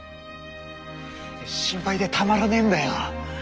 心配でたまらねえんだよ。